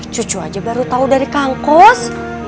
cucu aja baru tau dari kangkos